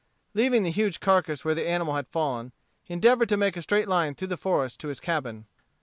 Leaving the huge carcass where the animal had fallen, he endeavored to make a straight line through the forest to his cabin.